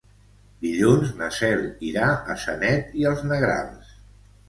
Dilluns na Cel irà a Sanet i els Negrals.